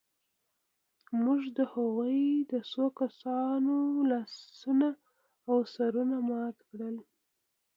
موږ د هغوی د څو کسانو لاسونه او سرونه مات کړل